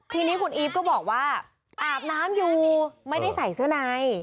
ทีนี้คุณอีฟก็บอกว่าอาบน้ำอยู่ไม่ได้ใส่เสื้อใน